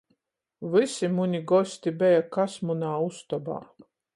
Vysi muni gosti beja, kas munā ustobā